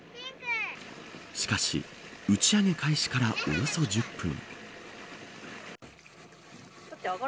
しかし打ち上げ開始からおよそ１０分。